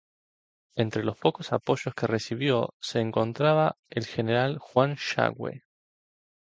Entre los pocos apoyos que recibió se encontraba el general Juan Yagüe.